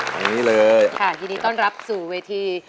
อย่างนี้เลยค่ะยินดีต้อนรับสู่เวที